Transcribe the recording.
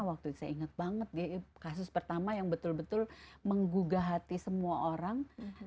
waktu itu saya ingat banget dia kasus pertama yang betul betul menggugah hati semua orang